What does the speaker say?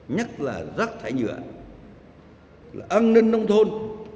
nhất là rác thải nhựa là an ninh nông thôn